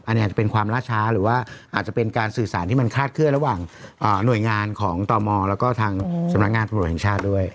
อันนี้อาจจะเป็นความล่าช้าหรือว่าอาจจะเป็นการสื่อสารที่มันคลาดเคลื่อนระหว่างหน่วยงานของตมแล้วก็ทางสำนักงานตำรวจแห่งชาติด้วย